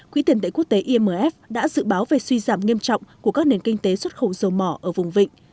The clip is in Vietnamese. quỹ tiền tệ quốc tế imf đã dự báo về suy giảm nghiêm trọng của các nền kinh tế xuất khẩu dầu mỏ ở vùng vịnh